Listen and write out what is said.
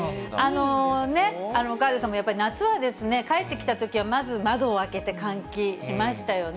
河出さんも夏は帰ってきたときはまず窓を開けて換気しましたよね。